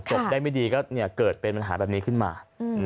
จบได้ไม่ดีก็เกิดเป็นปัญหาแบบนี้ขึ้นมา